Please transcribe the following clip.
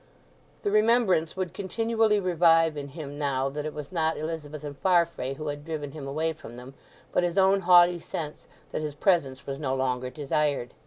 The remembrance would continually revive in him now that it was not Elizabeth and Farfrae who had driven him away from them, but his own haughty sense that his presence was no longer desired.